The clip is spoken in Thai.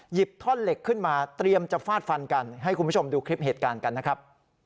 ท่อนเหล็กขึ้นมาเตรียมจะฟาดฟันกันให้คุณผู้ชมดูคลิปเหตุการณ์กันนะครับ